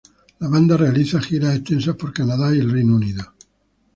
La banda realizó giras extensas por Canadá y Reino Unido.